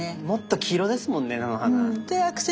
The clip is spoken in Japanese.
もっと黄色ですもんね菜の花。